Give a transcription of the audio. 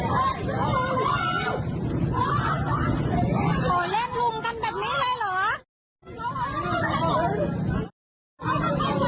โอ้ยนี่โดนลุมเลือดออกเลยอ่ะ